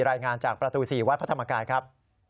รายงานจากประตู๔วัดพระธรรมกายครับ